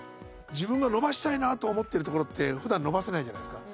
自分が伸ばしたいなと思ってるところって普段伸ばせないじゃないですか。